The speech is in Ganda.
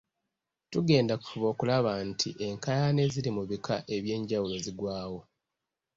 Tugenda kufuba okulaba nti enkaayana eziri mu bika eby'enjawulo ziggwawo.